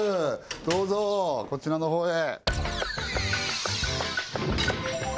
どうぞこちらの方へ